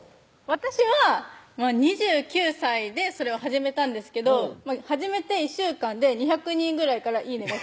私は２９歳でそれを始めたんですけど始めて１週間で２００人ぐらいからいいねが来ちゃったうおっ！